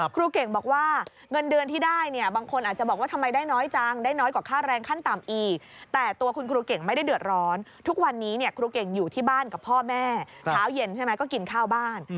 อยู่ที่บ้านกับพ่อแม่ช้าเย็นใช่ไหมก็กินข้าวบ้าน